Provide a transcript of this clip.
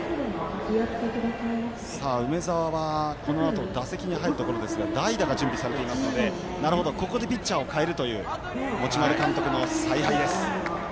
梅澤は、このあと打席に入るところですが代打が準備されていますのでここでピッチャーを代えるという持丸監督の采配です。